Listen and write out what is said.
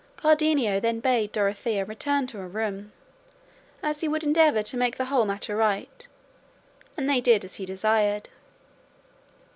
Cardenio then bade Dorothea return to her room, as he would endeavour to make the whole matter right, and they did as he desired.